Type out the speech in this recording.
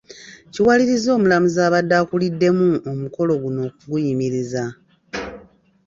Kiwalirizza omulamuzi abadde akuliddemu omukolo guno okuguyimiriza.